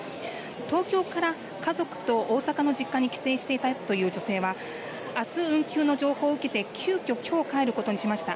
東京から家族と大阪の実家に帰省していたという女性はあす運休の情報を受けて急きょきょう帰ることにしました。